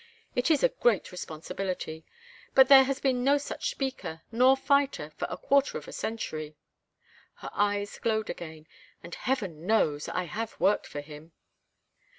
It is a great responsibility! But there has been no such speaker, nor fighter, for a quarter of a century." Her eyes glowed again. "And heaven knows I have worked for him."